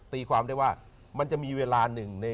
ตีความได้ว่ามันจะมีเวลาหนึ่ง